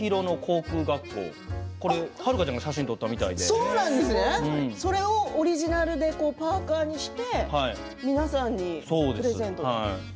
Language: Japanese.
福原遥さんがそれをオリジナルでパーカーにして、皆さんにプレゼント。